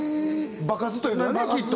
場数というのはねきっと。